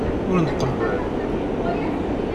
Ur nqebbel.